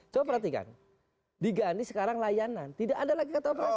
coba perhatikan diganti sekarang layanan tidak ada lagi kata operasi